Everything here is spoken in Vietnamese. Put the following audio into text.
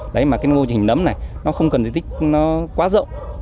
đấy mà cái mô hình nấm này nó không cần diện tích quá rộng